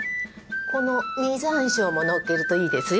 この実山椒ものっけるといいですよ。